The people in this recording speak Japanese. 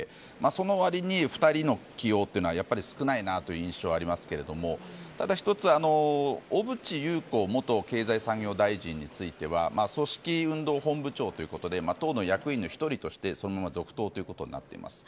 その割に２人の起用というのはやっぱり少ないなという印象はありますがただ、１つ小渕優子元経済産業大臣については組織運動本部長ということで党の役員の１人としてそのまま続投となっています。